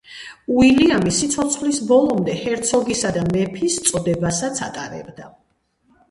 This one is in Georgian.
უილიამი სიცოცხლის ბოლომდე ჰერცოგისა და მეფის წოდებასაც ატარებდა.